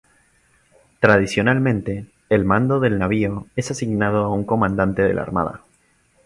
Tradicionalmente, el mando del navío es asignado a un comandante de la Armada.